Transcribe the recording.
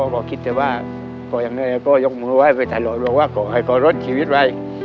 ก็ประมาณครึ่งชั่วโมงค่ะ